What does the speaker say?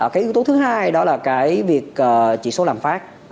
cái yếu tố thứ hai đó là cái việc chỉ số làm phát